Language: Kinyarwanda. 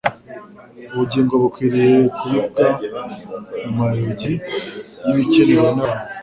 Ubugingo bukwiriye kubibwa mu mayogi y'ibikenewe n'abantu